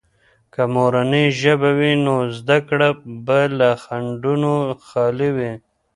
که مورنۍ ژبه وي، نو زده کړه به له خنډونو خالي وي.